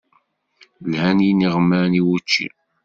Lhan yiniɣman i wučči.